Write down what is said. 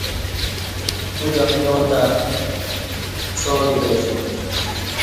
اُݩڅ امکیاں تہ څا ویتاسیوم